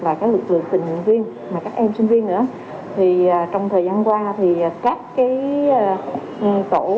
là các lực lượng tình nguyên mà các em sinh viên nữa thì trong thời gian qua thì các cái tổ